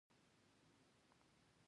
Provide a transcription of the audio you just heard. د بدخشان په شغنان کې د سرو زرو نښې شته.